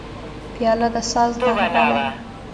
پیاله د ساز نغمه ده.